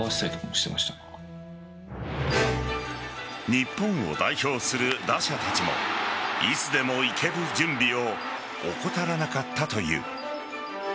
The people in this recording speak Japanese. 日本を代表する打者たちもいつでもいける準備を怠らなかったという。